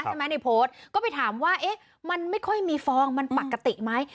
ในโพสต์ก็ไปถามว่าเอ๊ะมันไม่ค่อยมีฟองมันปกติไหม